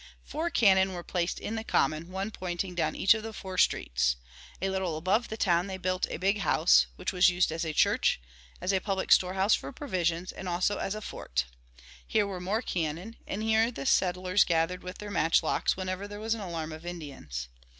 Four cannon were placed in the common, one pointing down each of the four streets. A little above the town they built a big house, which was used as a church, as a public storehouse for provisions, and also as a fort. Here were more cannon, and here the settlers gathered with their matchlocks whenever there was an alarm of Indians.